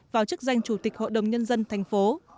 vào chức danh chủ tịch hội đồng nhân dân tp